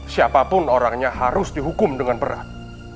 siapapun orangnya harus dihukum dengan berat